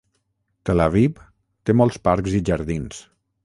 Tel Aviv té molts parcs i jardins.